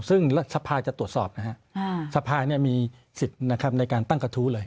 ซึ่งรัฐสภาจะตรวจสอบสภามีสิทธิ์ในการตั้งกระทู้เลย